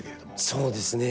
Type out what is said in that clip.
そうですね。